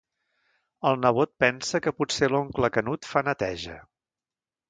El nebot pensa que potser l'oncle Canut fa neteja.